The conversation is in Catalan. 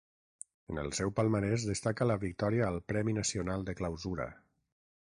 En el seu palmarès destaca la victòria al Premi Nacional de Clausura.